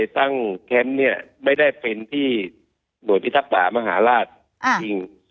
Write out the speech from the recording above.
ตั้งเข้มเนี่ยไม่ได้เป็นที่หน่วยพิทัศน์ป่ามหาลาศจริง